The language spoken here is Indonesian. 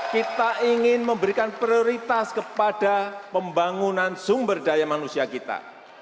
kita ingin memberikan prioritas kepada pembangunan sumber daya manusia kita